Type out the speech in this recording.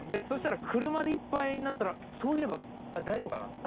そしたら車でいっぱいになったら「そういえば大丈夫かな？」。